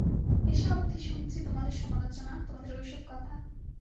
এসে অবধি শুনছি, তোমাদের সমালোচনা, তোমাদের ঐ-সব কথা।